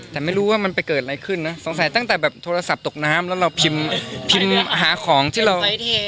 แต่ไม่รู้ว่ามันไปเกิดอะไรขึ้นนะสงสัยตั้งแต่แบบโทรศัพท์ตกน้ำแล้วเราพิมพ์พิมพ์หาของที่เรา